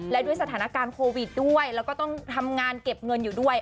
และด้วยสถานการณ์โควิดด้วยแล้วก็ต้องทำงานเก็บเงินอยู่ด้วย